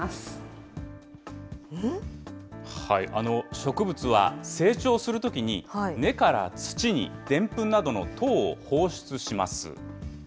植物は成長するときに根から土に、デンプンなどの糖を放出します。